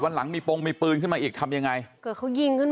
หลังมีโปรงมีปืนขึ้นมาอีกทำยังไงเกิดเขายิงขึ้น